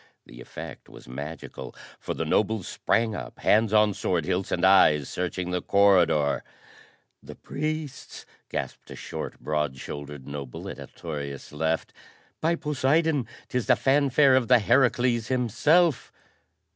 The effect was magical, for the nobles sprang up, hands on sword hilts and eyes searching the corridor. "The priests!" gasped a short, broad shouldered noble at Altorius' left. "By Poseidon! 'Tis the fanfare of the Herakles himself."